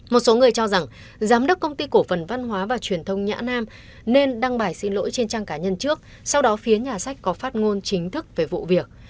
một số người cho rằng giám đốc công ty cổ phần văn hóa và truyền thông nhã nam nên đăng bài xin lỗi trên trang cá nhân trước sau đó phía nhà sách có phát ngôn chính thức về vụ việc